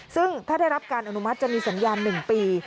ซึ่งถ้าได้รับการอนุมัติจะมีสัญญาณ๑ปี